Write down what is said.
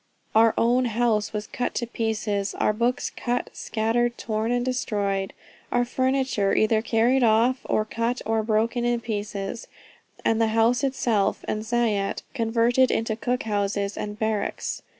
Our own house was cut to pieces, our books cut scattered, torn and destroyed; our furniture either carried off, or cut, or broken in pieces, and the house itself and zayat converted into cook houses and barracks.